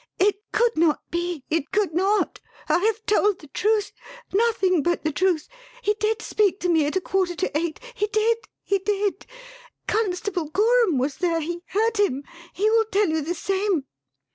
"It could not be it could not. I have told the truth nothing but the truth. He did speak to me at a quarter to eight he did, he did! Constable Gorham was there he heard him; he will tell you the same."